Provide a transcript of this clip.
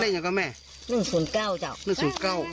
ได้อยากข้าวแม่